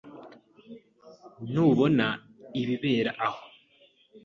Ntubona ibibera hano?